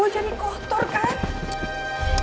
oh jadi kotor kan